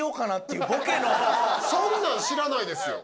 そんなん知らないですよ